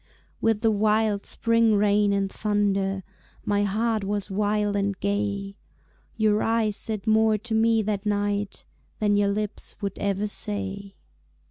With the wild spring rain and thunder My heart was wild and gay; Your eyes said more to me that night Than your lips would ever say.